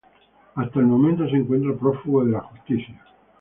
Hasta el momento se encuentra prófugo de la justicia.